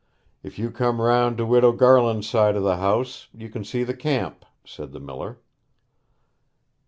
'If you come round to Widow Garland's side of the house, you can see the camp,' said the miller.